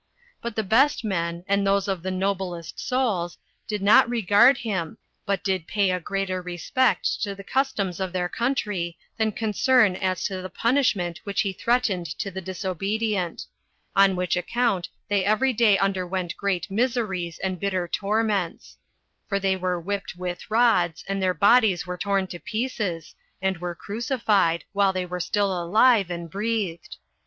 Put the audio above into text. But the best men, and those of the noblest souls, did not regard him, but did pay a greater respect to the customs of their country than concern as to the punishment which he threatened to the disobedient; on which account they every day underwent great miseries and bitter torments; for they were whipped with rods, and their bodies were torn to pieces, and were crucified, while they were still alive, and breathed.